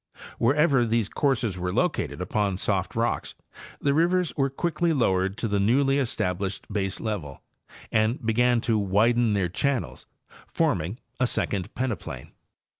Wherever these courses were located upon soft rocks the rivers were quickly lowered to the newly estab lished baselevel and began to widen their channels, forming a second peneplain.